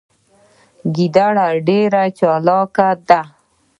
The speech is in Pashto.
ګیدړه ډیره چالاکه ده